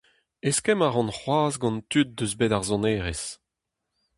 Eskemm a ran c'hoazh gant tud eus bed ar sonerezh.